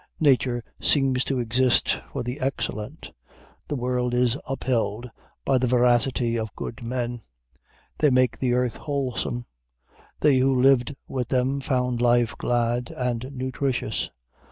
Nature seems to exist for the excellent. The world is upheld by the veracity of good men: they make the earth wholesome. They who lived with them found life glad and nutritious.